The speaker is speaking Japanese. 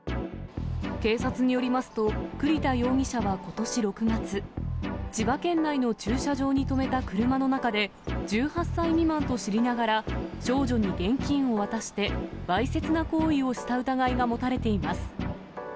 警察によりますと、栗田容疑者はことし６月、千葉県内の駐車場に止めた車の中で、１８歳未満と知りながら、少女に現金を渡して、わいせつな行為をした疑いが持たれています。